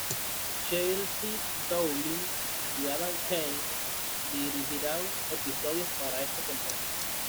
Chelsea Dowling y Adam Kane dirigirán episodios para esta temporada.